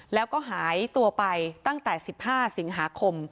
แล้วก็หายตัวไปตั้งแต่๑๕สิงหาคม